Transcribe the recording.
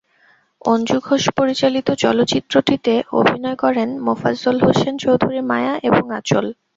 অঞ্জু ঘোষ পরিচালিত চলচ্চিত্রটিতে অভিনয় করেন মোফাজ্জল হোসেন চৌধুরী মায়া এবং আঁচল।